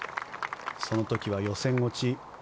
その時は予選落ち。